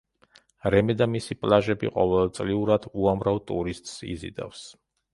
რემე და მისი პლაჟები ყოველწლიურად უამრავ ტურისტს იზიდავს.